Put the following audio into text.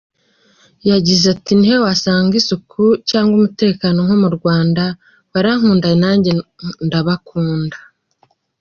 Yagize ati “Ni he wasanga isuku cyangwa umutekano nko mu Rwanda? Barankunda nanjye ndabakunda.